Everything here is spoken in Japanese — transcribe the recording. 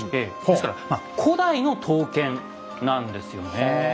ですからまあ古代の刀剣なんですよね。